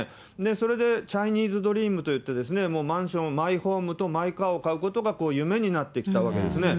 それでチャイニーズドリームといってですね、マンション、マイホームとマイカーを買うことが夢になってきたわけですね。